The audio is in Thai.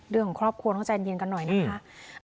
เรื่องของครอบครัวต้องใจเย็นกันหน่อยนะคะ